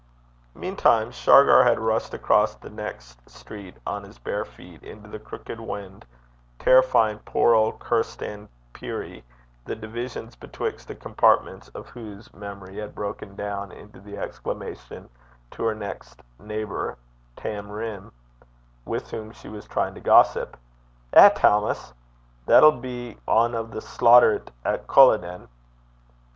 Meantime Shargar had rushed across the next street on his bare feet into the Crookit Wynd, terrifying poor old Kirstan Peerie, the divisions betwixt the compartments of whose memory had broken down, into the exclamation to her next neighbour, Tam Rhin, with whom she was trying to gossip: 'Eh, Tammas! that'll be ane o' the slauchtert at Culloden.'